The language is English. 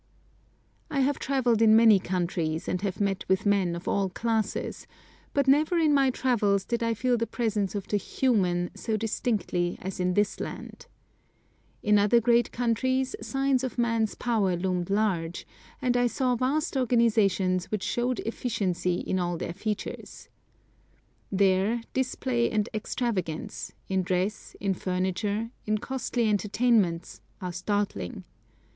I have travelled in many countries and have met with men of all classes, but never in my travels did I feel the presence of the human so distinctly as in this land. In other great countries, signs of man's power loomed large, and I saw vast organisations which showed efficiency in all their features. There, display and extravagance, in dress, in furniture, in costly entertainments, are startling.